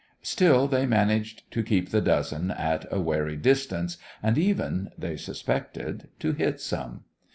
Still they managed to keep the dozen at a wary distance, and even, they suspected, to hit some.